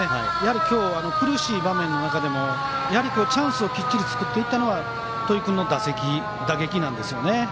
今日、苦しい場面の中でもチャンスをきっちり作ったのは戸井君の打撃なんですよね。